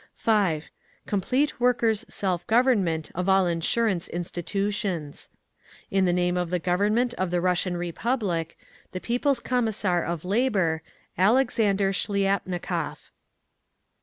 5. Complete workers' self government of all Insurance institutions. In the name of the Government of the Russian Republic, The People's Commissar of Labour, ALEXANDER SHLIAPNIKOV.